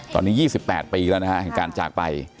ตอนนี้๒๘ปีแล้วนะฮะการจากไป